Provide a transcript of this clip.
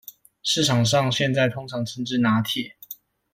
市場上現在通常稱之拿鐵